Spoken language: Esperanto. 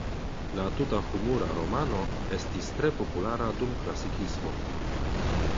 La tuta humura romano estis tre populara dum Klasikismo.